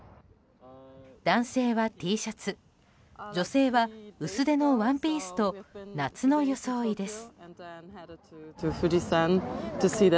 男性はＴシャツ女性は薄手のワンピースと夏の装いです。